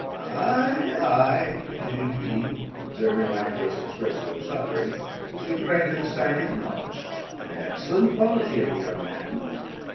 Ay, ay," continued he, observing my face expressive of suffering, "M. Frankenstein is modest; an excellent quality in a young man.